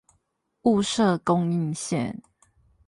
霧社供應線